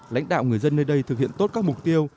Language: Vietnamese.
lãnh đạo người dân nơi đây thực hiện tốt các mục tiêu